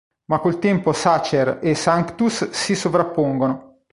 Ma col tempo, "sacer" e "sanctus" si sovrappongono.